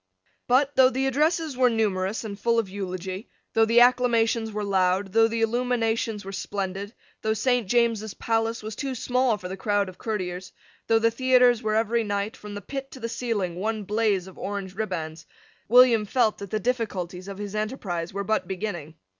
But, though the addresses were numerous and full of eulogy, though the acclamations were loud, though the illuminations were splendid, though Saint James's Palace was too small for the crowd of courtiers, though the theatres were every night, from the pit to the ceiling, one blaze of orange ribands, William felt that the difficulties of his enterprise were but beginning.